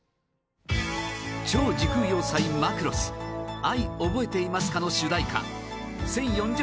『超時空要塞マクロス愛・おぼえていますか』の主題歌１０４０